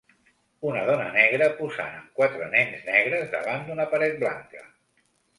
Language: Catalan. Una dona negra posant amb quatre nens negres davant d'una paret blanca.